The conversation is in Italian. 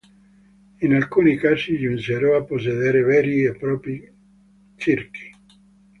In alcuni casi giunsero a possedere veri e propri circhi.